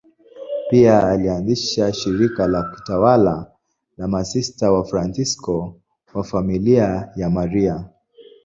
Pia alianzisha shirika la kitawa la Masista Wafransisko wa Familia ya Maria.